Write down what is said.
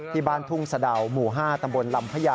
ที่บ้านทุ่งสะดาวหมู่๕ตำบลลำพญา